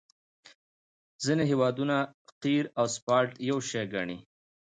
ځینې هیوادونه قیر او اسفالټ یو شی ګڼي